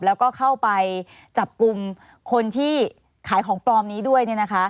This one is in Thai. แล้วก็เข้าไปจับกลุ่มคนที่ขายของปลอมนี้ด้วย